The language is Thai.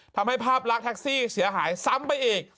ทำให้ภาพลักษณ์แท็กซี่เสียหายซ้ำไปอีก